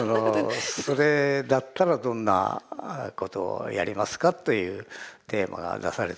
それだったらどんなことをやりますかというテーマが出されてるんですよね。